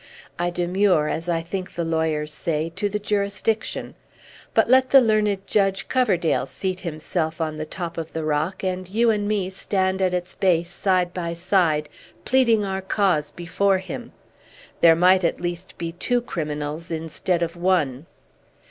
I demur, as I think the lawyers say, to the jurisdiction. But let the learned Judge Coverdale seat himself on the top of the rock, and you and me stand at its base, side by side, pleading our cause before him! There might, at least, be two criminals instead of one."